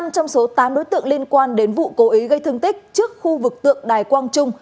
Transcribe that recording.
năm trong số tám đối tượng liên quan đến vụ cố ý gây thương tích trước khu vực tượng đài quang trung